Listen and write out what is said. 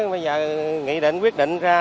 bây giờ nghị định quyết định ra